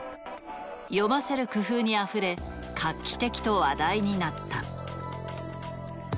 読ませる工夫にあふれ画期的と話題になった。